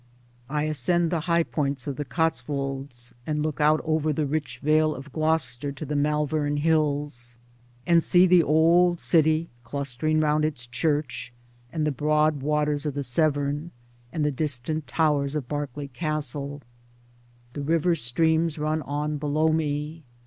I ascend the high points of the Cotswolds, and look out over the rich vale of Gloucester to the Malvern hills, and see the old city clustering round its Church, and the broad waters of the Severn, and the distant towers of Berkeley Castle. The river streams run on below me.